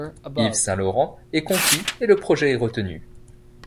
Yves Saint-Laurent est conquis et le projet est retenu.